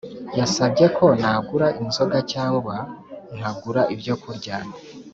Yansabye ko nagura inzoga cyangwa nkagura ibyo kurya